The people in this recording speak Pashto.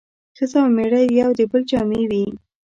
ښځه او مېړه د يو بل جامې وي